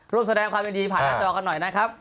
ร่วมแสดงความยินดีผ่านต่อกันหน่อยนะครับ